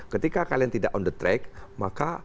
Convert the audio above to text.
ketika kalian tidak on the track maka